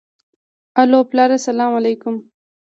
الو پلاره سلام عليک.